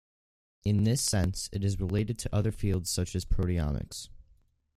In this sense, it is related to other fields such as proteomics.